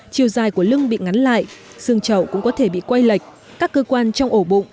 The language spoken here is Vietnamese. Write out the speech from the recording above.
chiều dài của lưng bị ngắn lại xương trậu cũng có thể bị quay lệch các cơ quan trong ổ bụng